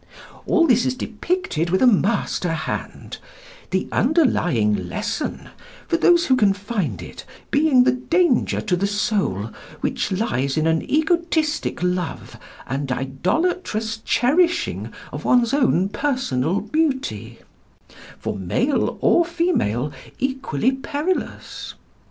All this is depicted with a master hand; the underlying lesson, for those who can find it, being the danger to the soul which lies in an egotistic love and idolatrous cherishing of one's own personal beauty for male or female equally perilous.